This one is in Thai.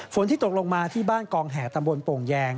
ที่ตกลงมาที่บ้านกองแห่ตำบลโป่งแยง